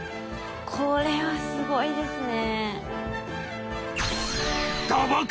これはすごいですね。